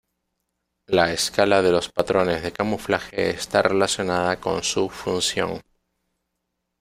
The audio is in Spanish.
La escala de los patrones de camuflaje está relacionada con su función.